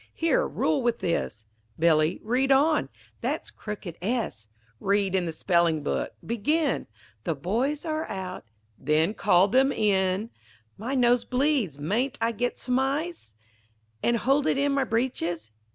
Here rule with this Billy, read on, That's crooked S. Read in the spelling book Begin The boys are out Then call them in My nose bleeds, mayn't I get some ice, _And hold it in my breeches?